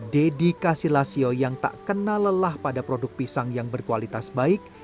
dedikasi lasio yang tak kenal lelah pada produk pisang yang berkualitas baik